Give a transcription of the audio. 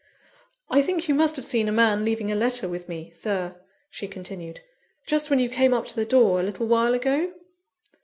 "I think you must have seen a man leaving a letter with me, Sir," she continued, "just when you came up to the door, a little while ago?"